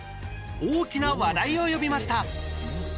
大きな話題を呼びました。